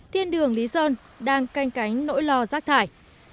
thiên đường lý sơn đang canh cánh nỗi lo rác thải